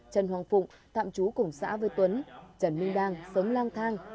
trần hoàng phụng thạm chú cùng xã với tuấn trần minh đang sớm lang thang